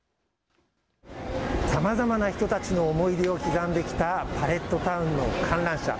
さまざまな人たちの思い出を刻んできたパレットタウンの観覧車。